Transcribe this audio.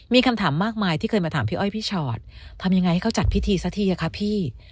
มีคำถามมากมายที่เคยมาถามพี่อ้อยพี่ชอตทำยังไงให้เขาจัดพิธีซะทีอะคะพี่